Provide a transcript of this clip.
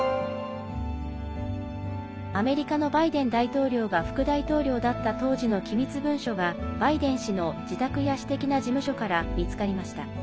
アメリカのバイデン大統領が副大統領だった当時の機密文書がバイデン氏の自宅や私的な事務所から見つかりました。